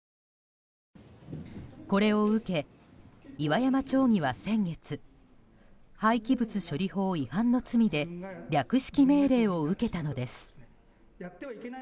これを受け、岩山町議は先月廃棄物処理法違反の罪で略式命令を受けたのです。